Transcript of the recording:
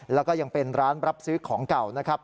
แล้วก็ยังเป็นร้านรับซื้อของเก่านะครับ